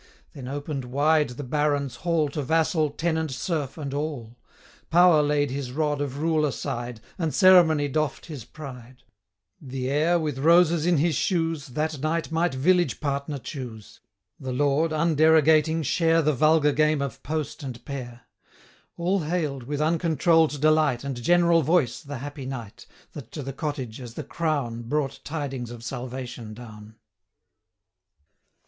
Then open'd wide the Baron's hall To vassal, tenant, serf, and all; Power laid his rod of rule aside, 40 And Ceremony doff'd his pride. The heir, with roses in his shoes, That night might village partner choose; The Lord, underogating, share The vulgar game of 'post and pair.' 45 All hail'd, with uncontroll'd delight, And general voice, the happy night, That to the cottage, as the crown, Brought tidings of salvation down.